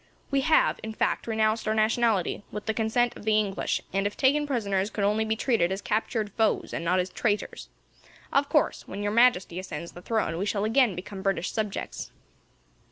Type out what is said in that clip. We have, in fact, renounced our nationality, with the consent of the English, and, if taken prisoners, could only be treated as captured foes, and not as traitors. Of course, when Your Majesty ascends the throne, we shall again become British subjects."